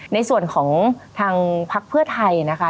ในส่วนของทางพักเพื่อไทยนะคะ